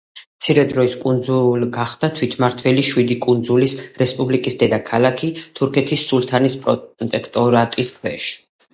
მცირე დროით კუნძულ გახდა თვითმმართველი შვიდი კუნძულის რესპუბლიკის დედაქალაქი თურქეთის სულთანის პროტექტორატის ქვეშ.